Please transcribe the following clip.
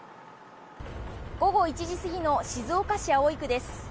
午後１時過ぎの静岡市葵区です。